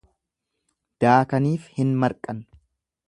Daakaniif hin marqan.